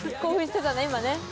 今ね。